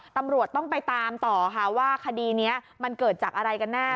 ตำรวจต้องไปตามต่อค่ะว่าคดีนี้มันเกิดจากอะไรกันแน่